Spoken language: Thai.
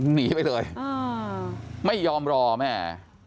หนีไปเลยไม่ยอมรอแม่